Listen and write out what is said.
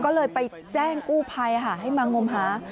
ก็เลยไปแจ้งกู้ภัยให้มางมหา